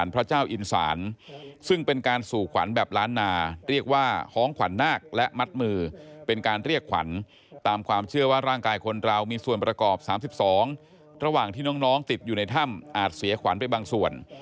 เพราะร่างกายคนเรามีส่วนประกอบสามสิบสองตระหว่างที่น้องติดอยู่ในถ้ำอาจเสียขวัญไปบางส่วน